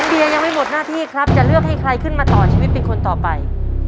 เบียยังไม่หมดหน้าที่ครับจะเลือกให้ใครขึ้นมาต่อชีวิตเป็นคนต่อไป